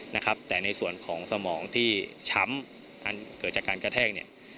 ในส่วนสมองที่ช้ำเกิดจากการกระแทง